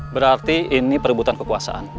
berarti ini perebutan kekuasaan